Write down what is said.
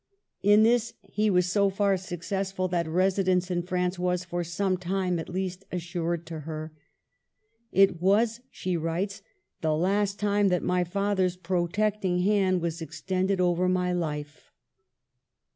In this he was so far successful that residence in France was for some time at least assured to her. " It was/' she writes, " the last time that my father's protecting hand was extended over my life."